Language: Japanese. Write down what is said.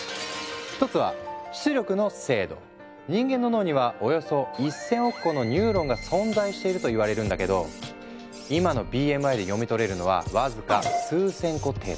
一つは人間の脳にはおよそ１，０００億個のニューロンが存在しているといわれるんだけど今のＢＭＩで読み取れるのは僅か数千個程度。